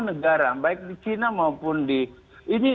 negara baik di china maupun di ini